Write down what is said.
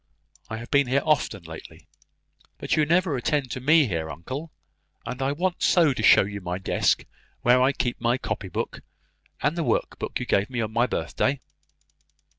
I have been here often lately." "But you never attend to me here, uncle! And I want so to show you my desk, where I keep my copy book, and the work box you gave me on my birthday."